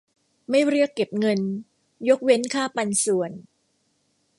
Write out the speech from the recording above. ไม่เรียกเก็บเงิน ยกเว้นค่าปันส่วน